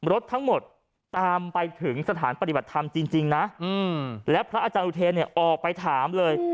รถทั้งหมดตามไปถึงสถานปฏิบัติธรรมจริงนะแล้วพระอาจารย์อุเทนเนี่ยออกไปถามเลย